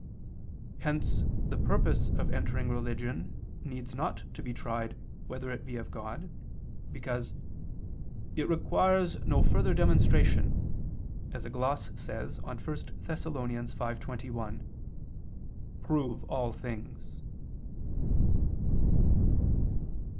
Hence the purpose of entering religion needs not to be tried whether it be of God, because "it requires no further demonstration," as a gloss says on 1 Thess. 5:21, "Prove all things."